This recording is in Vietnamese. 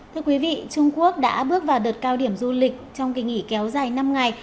thưa quý vị trung quốc đã bước vào đợt cao điểm du lịch trong kỳ nghỉ kéo dài năm ngày